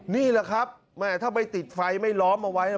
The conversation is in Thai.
นี่แหละครับถ้าไม่ติดไฟไม่ล้อมเอาไว้